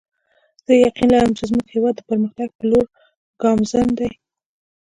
زه یقین لرم چې زموږ هیواد د پرمختګ په لور ګامزن دی